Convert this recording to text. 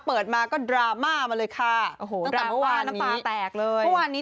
เปิดมาก็ดราม่ามาเลยค่ะโอ้โหตั้งแต่เมื่อวานน้ำตาแตกเลยเมื่อวานนี้